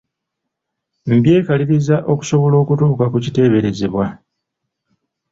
Mbyekaliriza okusobola okutuuka ku kiteeberezebwa.